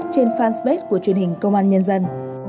trên fanpage của truyền hình công an nhân dân